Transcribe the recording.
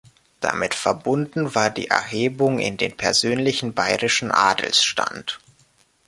Damit verbunden war die Erhebung in den persönlichen bayerischen Adelsstand.